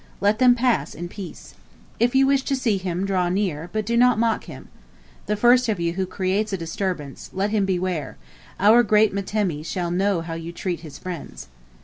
Let them pass in peace. If you wish to see him, draw near, but do not mock him. The first of you who creates a disturbance, let him beware; our great mtemi shall know how you treat his friends."